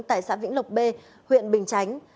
tại xã vĩnh lộc b huyện bình chánh